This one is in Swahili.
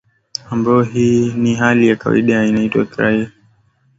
ambayo ni hali ya kawaida na inaitwa krai kwa sababu za kihistoria